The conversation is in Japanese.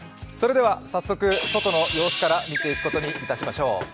早速、外の様子から見ていくことにいたしましょう。